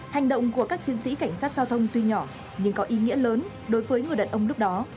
hành động của các chiến sĩ cảnh sát giao thông tuy nhỏ nhưng có ý nghĩa lớn đối với người đàn ông lúc đó